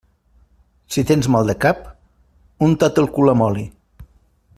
Si tens mal al cap, unta't el cul amb oli.